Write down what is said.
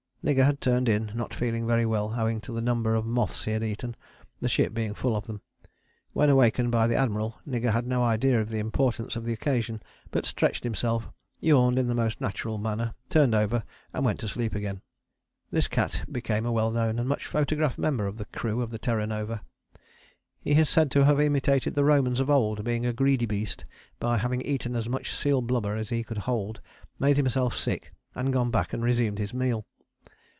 Nigger had turned in, not feeling very well, owing to the number of moths he had eaten, the ship being full of them. When awakened by the Admiral, Nigger had no idea of the importance of the occasion, but stretched himself, yawned in the most natural manner, turned over and went to sleep again. This cat became a well known and much photographed member of the crew of the Terra Nova. He is said to have imitated the Romans of old, being a greedy beast, by having eaten as much seal blubber as he could hold, made himself sick, and gone back and resumed his meal.